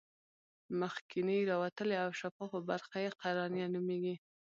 مخکینۍ راوتلې او شفافه برخه یې قرنیه نومیږي.